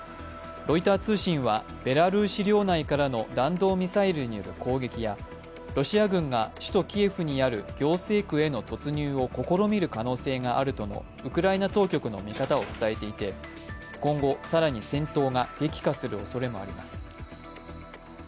ロイター通信はベラルーシ領内からの弾道ミサイルによる攻撃やロシア軍が首都キエフにある行政区への突入を試みる可能性があるとのウクライナ当局の見方を伝えていて、今後、更に戦闘が激化するおそれもあります。